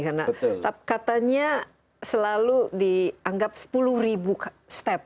karena katanya selalu dianggap sepuluh ribu steps